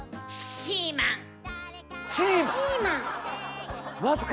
シーマン！